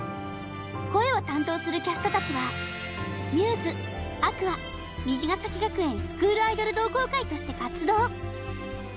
声を担当するキャストたちはμ’ｓＡｑｏｕｒｓ虹ヶ咲学園スクールアイドル同好会として活動。